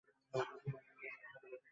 বিনু ততক্ষণে দরজা বন্ধ করে শুয়ে পড়েছে।